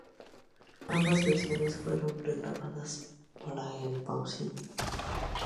Ambas versiones fueron re-grabadas para el de Pausini.